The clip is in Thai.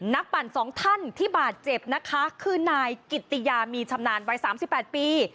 ปั่นสองท่านที่บาดเจ็บนะคะคือนายกิตติยามีชำนาญวัย๓๘ปี